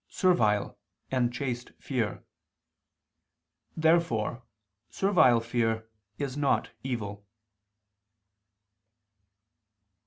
servile and chaste fear." Therefore servile fear is not evil.